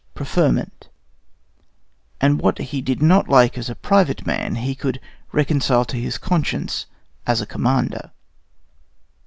preferment; and what he did not like as a private man he could reconcile to his conscience as a commander.